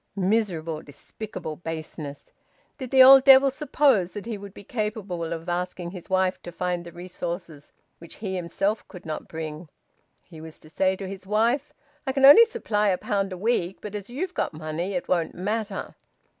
Miserable, despicable baseness! Did the old devil suppose that he would be capable of asking his wife to find the resources which he himself could not bring? He was to say to his wife: "I can only supply a pound a week, but as you've got money it won't matter."